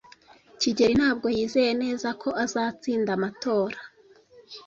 kigeli ntabwo yizeye neza ko azatsinda amatora.